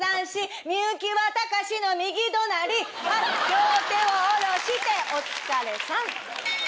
両手を下ろしてお疲れさん。